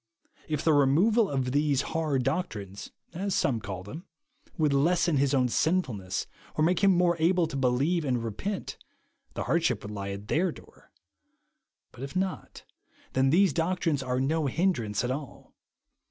If the removal of these " hard THE WANT OF POWER TO BELIEVE. 151 doctnri(3s " (as some call them) would lessen his own shifulness, or make him more able to believe and repent, the hardship would lie at their door ; but if not, then these doctrines are no hindrance at all.